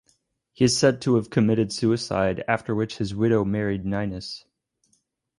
He is said to have committed suicide, after which his widow married Ninus.